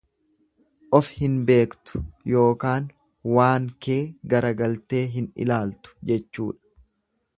Of hin beektu yookaan waan kee garagaltee hin ilaaltu jechuudha.